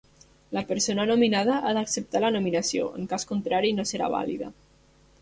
La persona nominada ha d'acceptar la nominació; en cas contrari, no serà vàlida.